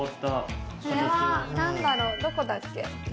これは何だろうどこだっけ？